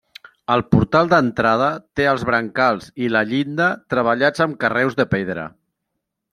El portal d'entrada té els brancals i la llinda treballats amb carreus de pedra.